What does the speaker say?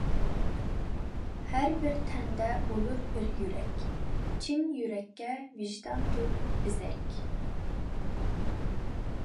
ھەربىر تەندە بولۇر بىر يۈرەك، چىن يۈرەككە ۋىجداندۇر بېزەك.